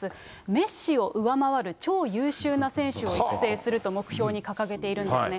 メッシを上回る超優秀な選手を育成すると、目標に掲げているんですね。